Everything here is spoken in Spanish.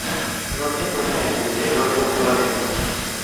No se encuentra en el interior de la selva densa.